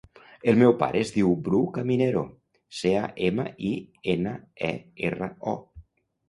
El meu pare es diu Bru Caminero: ce, a, ema, i, ena, e, erra, o.